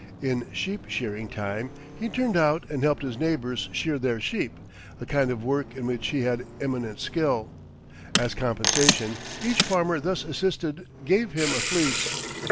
In sheep shearing time, he turned out and helped his neighbors shear their sheep, a kind of work in which he had eminent skill. As compensation, each farmer thus assisted gave him a fleece.